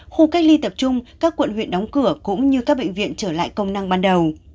khu cách ly tập trung các quận huyện đóng cửa cũng như các bệnh viện trở lại công năng ban đầu